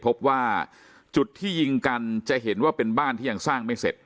พบว่าจุดที่ยิงกันจะเห็นว่าเป็นบ้านที่ยังสร้างไม่เสร็จ